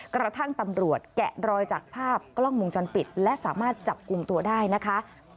กระทั่งตำรวจแกะรอยจากภาพกล้องวงจรปิดและสามารถจับกลุ่มตัวได้นะคะ